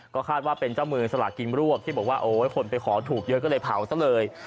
ก็คาดว่าเป็นเจ้ามือสลากินรวบที่บอกว่าโอ้ยคนไปขอถูกเยอะก็เลยเผาซะเลย